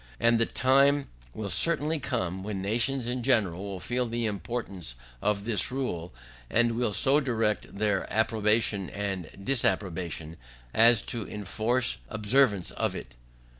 And the time will certainly come when nations in general will feel the importance of this rule, and will so direct their approbation and disapprobation as to enforce observance of it.